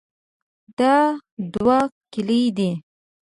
دا دوه کیلې دي.